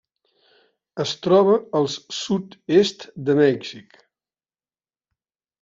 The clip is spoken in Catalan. Es troba al sud-est de Mèxic.